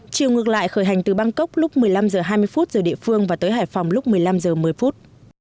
chiều ngược lại khởi hành từ bangkok lúc một mươi năm h hai mươi giờ địa phương và tới hải phòng lúc một mươi năm h một mươi phút